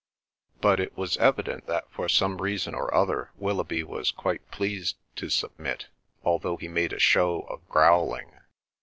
But it was evident that for some reason or other Willoughby was quite pleased to submit, although he made a show of growling.